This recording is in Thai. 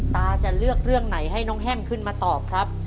ตาจะเลือกเรื่องไหนให้น้องแฮมขึ้นมาตอบครับ